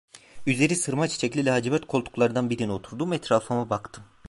Üzeri sırma çiçekli lacivert koltuklardan birine oturdum, etrafıma baktım.